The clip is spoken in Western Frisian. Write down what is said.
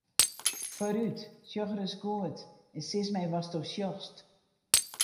Foarút, sjoch ris goed en sis my watsto sjochst.